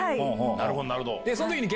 なるほど、なるほど。